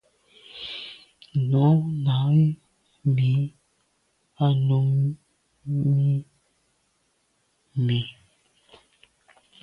Nu nà i mi nu a num i mi.